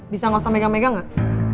bisa gak usah megang megang gak